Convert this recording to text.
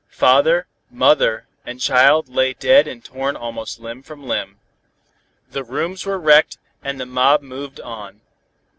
Father, mother and child lay dead and torn almost limb from limb. The rooms were wrecked, and the mob moved on.